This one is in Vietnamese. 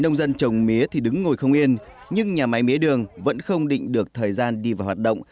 nông dân trồng mía thì đứng ngồi không yên nhưng nhà máy mía đường vẫn không định được thời gian đi vào hoạt động